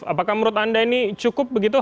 apakah menurut anda ini cukup begitu